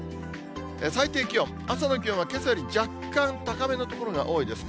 最低気温、朝の気温はけさより若干高めの所が多いですね。